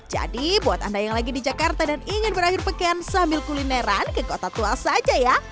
jadi buat anda yang lagi di jakarta dan ingin berakhir pekan sambil kulineran ke kota tua saja ya